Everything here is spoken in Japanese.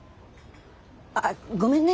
あっごめんね。